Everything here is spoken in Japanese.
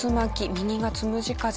右がつむじ風です。